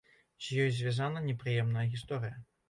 З ёй звязана непрыемная гісторыя.